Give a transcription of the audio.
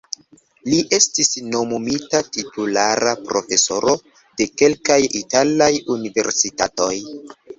Li estis nomumita titulara profesoro de kelkaj italaj universitatoj.